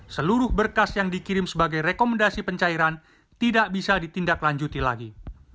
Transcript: seluruh berkas yang dikirim sebagai rekomendasi pencairan tidak bisa ditindaklanjuti lagi